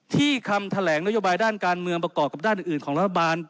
คำแถลงนโยบายด้านการเมืองประกอบกับด้านอื่นของรัฐบาล